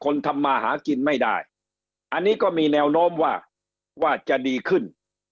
ทำมาหากินไม่ได้อันนี้ก็มีแนวโน้มว่าว่าจะดีขึ้น